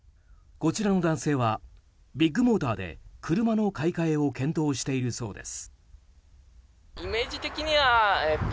こちらの男性はビッグモーターで車の買い替えを検討しているそうです。